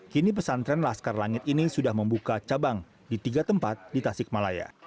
kini pesantren laskar langit ini sudah membuka cabang di tiga tempat di tasikmalaya